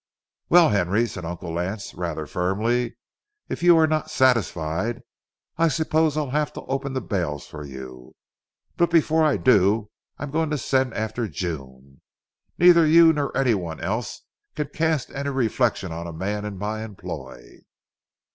"Well, Henry," said Uncle Lance, rather firmly, "if you are not satisfied, I suppose I'll have to open the bales for you, but before I do, I'm going to send after June. Neither you nor any one else can cast any reflections on a man in my employ.